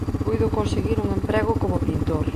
Puido conseguir un emprego como pintor.